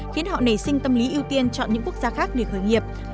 khiến họ nảy sinh tâm lý ưu tiên chọn những quốc gia khác để khởi nghiệp